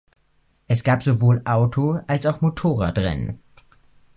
Es gab sowohl Auto- als auch Motorrad-Rennen.